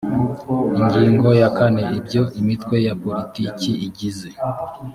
ingingo ya kane ibyo imitwe ya politiki igize